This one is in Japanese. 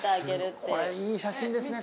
これいい写真ですね